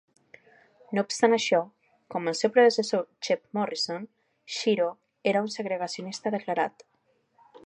No obstant això, com el seu predecessor Chep Morrison, Schiro era un segregacionista declarat.